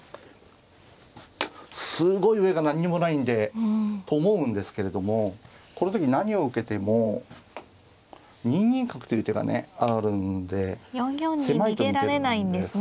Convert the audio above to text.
すごい上が何にもないんで。と思うんですけれどもこの時何を受けても２二角という手がねあるんで狭いと見てるんですね。